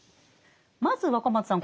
まず若松さん